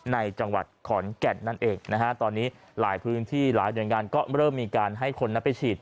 ในจังหวัดขอนแก่นนั่นเองนะฮะตอนนี้หลายพื้นที่หลายหน่วยงานก็เริ่มมีการให้คนนั้นไปฉีด